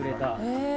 へえ。